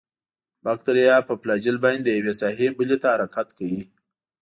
باکتریا په فلاجیل باندې له یوې ساحې بلې ته حرکت کوي.